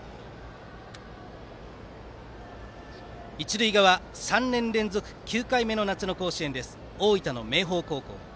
一塁側、３年連続９回目の夏の甲子園大分の明豊高校。